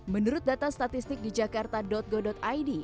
menurut data statistik di jakarta go id